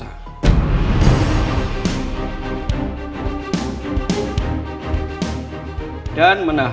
tapi construir diri lo masalah